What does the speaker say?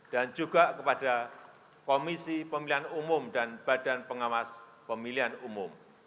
dan juga kepada komisi pemilihan umum dan badan pengawas pemilihan umum